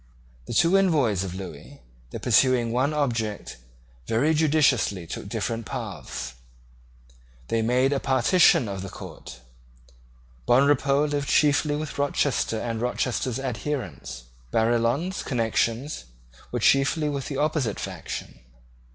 The two envoys of Lewis, though pursuing one object, very judiciously took different paths. They made a partition of the court. Bonrepaux lived chiefly with Rochester and Rochester's adherents. Barillon's connections were chiefly with the opposite faction.